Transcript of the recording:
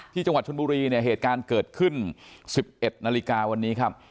ที่จังหวัดชนบุรีเนี่ยเหตุการณ์เกิดขึ้น๑๑นาฬิกาวันนี้ครับ